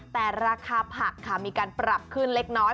แต่ราคาผักค่ะมีการปรับขึ้นเล็กน้อย